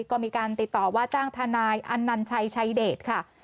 ก็มีการติดต่อว่าจ้างทนายอันนันชัยชัยเดชค่ะ